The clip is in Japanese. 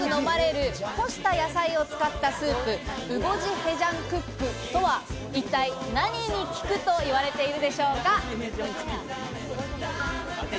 韓国でよく飲まれる干した野菜を使ったスープ、ウゴジヘジャンクックとは一体何に効くと言われているでしょうか？